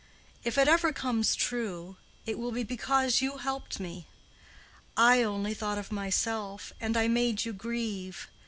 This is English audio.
If it ever comes true, it will be because you helped me. I only thought of myself, and I made you grieve.